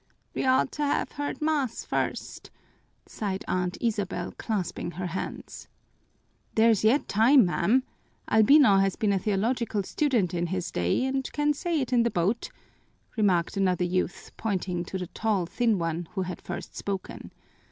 "We ought to have heard mass first," sighed Aunt Isabel, clasping her hands. "There's yet time, ma'am. Albino has been a theological student in his day and can say it in the boat," remarked another youth, pointing to the tall, thin one who had first spoken.